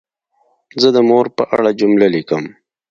زه د مور په اړه جمله لیکم.